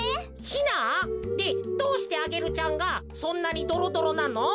ヒナ？でどうしてアゲルちゃんがそんなにドロドロなの？